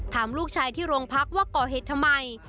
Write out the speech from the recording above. ถามลูกชายที่โรงพักว่าก่อเหตุทำไม